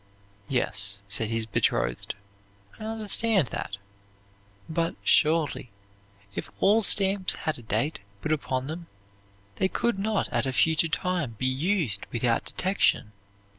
"Yes," said his betrothed, "I understand that; but, surely, if all stamps had a date put upon them they could not at a future time be used without detection."